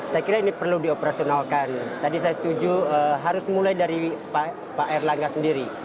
saya kira ini perlu dioperasionalkan tadi saya setuju harus mulai dari pak erlangga sendiri